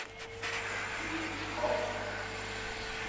พินิจพิเคราะห์